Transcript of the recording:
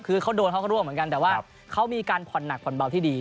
คือเขาโดนเขาก็ร่วมเหมือนกันแต่ว่าเขามีการผ่อนหนักผ่อนเบาที่ดี